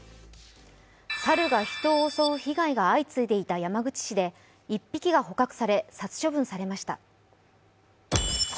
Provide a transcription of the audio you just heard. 猿が人を襲う被害が相次いでいた山口市で１匹が捕獲され殺処分されました。